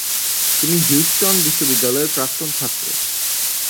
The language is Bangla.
তিনি হিউস্টন বিশ্ববিদ্যালয়ের প্রাক্তন ছাত্র।